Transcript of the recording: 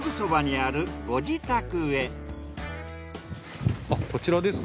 あっこちらですか。